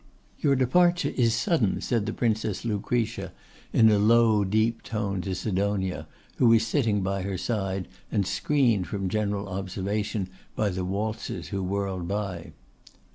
'Your departure is sudden,' said the Princess Lucretia, in a low deep tone to Sidonia, who was sitting by her side and screened from general observation by the waltzers who whirled by.